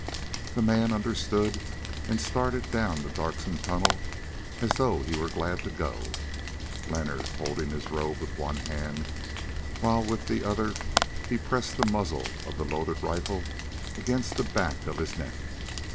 The man understood and started down the darksome tunnel as though he were glad to go, Leonard holding his robe with one hand, while with the other he pressed the muzzle of the loaded rifle against the back of his neck.